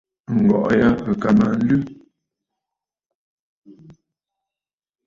Ǹgɔ̀ʼɔ̀ ya ɨ̀ kà mə aa nlɨ.